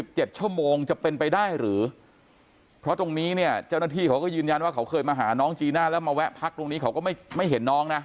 ตรงนี้เนี่ยเจ้าหน้าที่เขาก็ยืนยันว่าเขาเคยมาหาน้องจีน่าแล้วมาแวะพักตรงนี้เขาก็ไม่เห็นน้องนะ